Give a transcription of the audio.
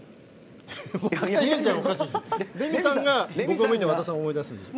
レミさんが僕を見て和田さんを思い出すんでしょ。